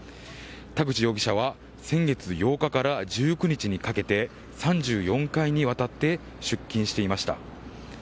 田口容疑者は先月８日から１９日にかけて３４回にわたって出金していました。